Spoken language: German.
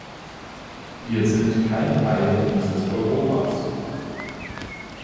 Wir sind kein Teil dieses Europas.